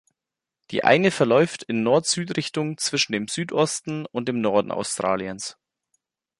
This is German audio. Die eine verläuft in Nord-Süd-Richtung zwischen dem Südosten und dem Norden Australiens.